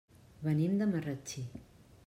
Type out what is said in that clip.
Venim de Marratxí.